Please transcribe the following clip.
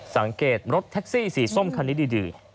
สังเกตรถแท็กซี่สีส้มคันนี้ดี